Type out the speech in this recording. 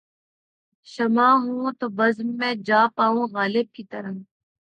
شمع ہوں‘ تو بزم میں جا پاؤں غالب کی طرح